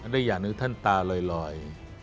ได้อย่างหนึ่งท่านตาลอย